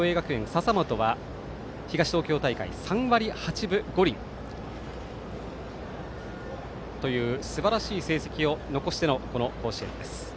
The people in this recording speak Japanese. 笹本は東東京大会３割８分５厘というすばらしい成績を残してのこの甲子園です。